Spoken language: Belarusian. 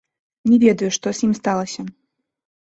Не ведаю, што з ім сталася.